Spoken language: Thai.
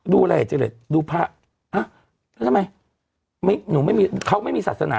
ดูอะไรอ่ะเจรดูพระอ่ะแล้วทำไมไม่หนูไม่มีเขาไม่มีศาสนา